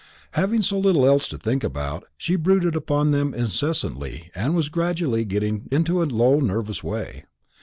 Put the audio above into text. Having so little else to think of, she brooded upon them incessantly, and was gradually getting into a low nervous way.